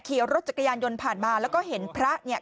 ขี่รถจักรยานยนต์ผ่านมาแล้วก็เห็นพระเนี่ย